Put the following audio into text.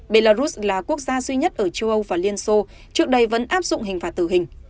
belarus là quốc gia duy nhất ở châu âu và liên xô trước đây vẫn áp dụng hình phạt tử hình